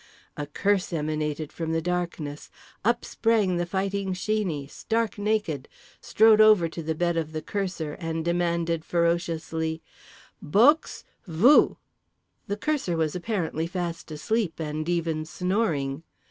A curse emanated from the darkness. Up sprang The Fighting Sheeney, stark naked; strode over to the bed of the curser, and demanded ferociously: "Boxe? Vous!" The curser was apparently fast asleep, and even snoring.